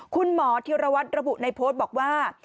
คุณหมอธิรวัตรระบุในโพสต์บอกว่า